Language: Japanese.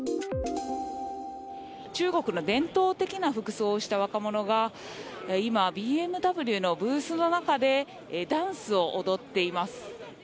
中国の伝統的な服装をした若者が、今、ＢＭＷのブースの中でダンスを踊っています。